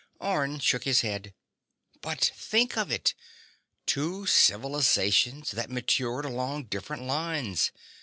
Orne shook his head. "But think of it: Two civilizations that matured along different lines!